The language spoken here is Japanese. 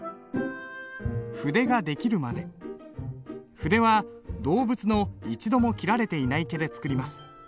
筆は動物の一度も切られていない毛で作ります。